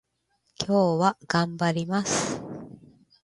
今日は頑張ります